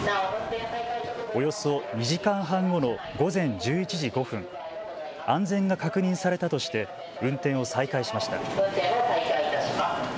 およそ２時間半後の午前１１時５分、安全が確認されたとして運転を再開しました。